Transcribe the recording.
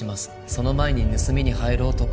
その前に盗みに入ろうと考えた。